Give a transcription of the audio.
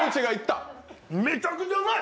めちゃめちゃうまい。